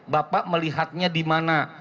bapak melihatnya di mana